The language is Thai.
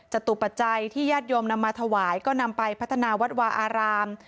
จตุปัจจัยที่ญาติโยมนำมาถวายก็นำไปพัฒนาวัดวาอาราม